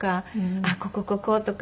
あっこここことか。